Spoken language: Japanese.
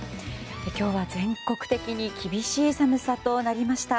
今日は全国的に厳しい寒さとなりました。